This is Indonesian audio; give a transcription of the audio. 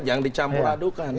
jangan dicampur adukan